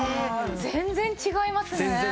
全然違いますね。